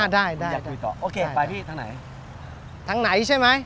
ได้เลยอยากคุยก่อนโอเคไปพี่ทางไหนทางไหนใช่ไหม